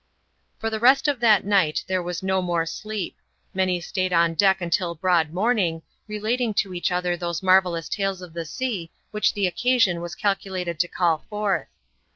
For the rest of that night there was no more sleep. Many stayed on deck until broad morning, relating to each other those marvellous tales of the sea which the occasion was calculated to call forth.